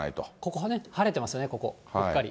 ここは、晴れてますよね、ここ、ぽっかり。